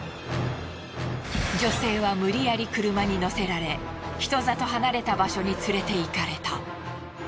女性は無理やり車に乗せられ人里離れた場所に連れていかれた。